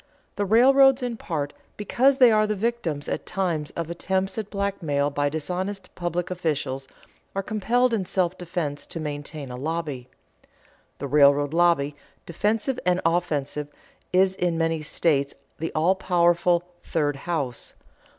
The railroads, in part because they are the victims at times of attempts at blackmail by dishonest public officials, are compelled in self defense to maintain a lobby. The railroad lobby, defensive and offensive, is in many states the all powerful "third house."